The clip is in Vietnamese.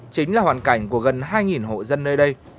chính là hoàn cảnh của gần hai hộ dân nơi đây